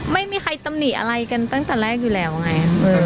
ไม่มีใครตำหนิอะไรกันตั้งแต่แรกอยู่แล้วไง